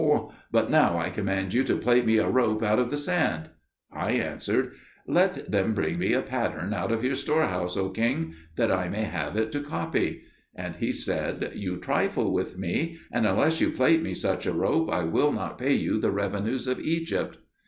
But now I command you to plait me a rope out of the sand." I answered, "Let them bring me a pattern out of your store house, O king, that I may have it to copy." He said, "You trifle with me; and unless you plait me such a rope I will not pay you the revenues of Egypt."